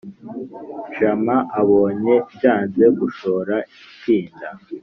jama abonye byanze gushora ipinda